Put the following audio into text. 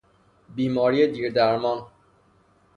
بیماری دیر درمان